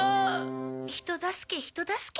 人助け人助け。